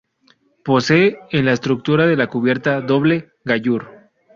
Posee en la estructura de la cubierta doble gallur.